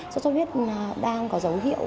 sốt sốt huyết đang có dấu hiệu